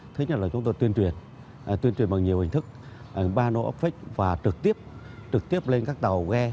tuyên truyền bằng nhiều hình thức ban o office và trực tiếp lên các tàu ghe